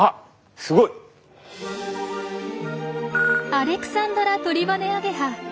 アレクサンドラトリバネアゲハ。